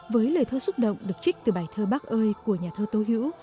với lời thơ xúc động được trích từ bài thơ bác ơi của nhà thơ tô hữu